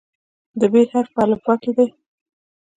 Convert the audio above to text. د "ب" حرف په الفبا کې دی.